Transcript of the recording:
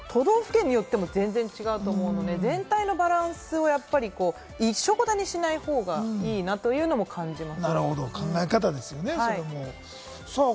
都道府県によっても全然違うと思うので、全体のバランスを一緒くたにしない方がいいなというのも感じます。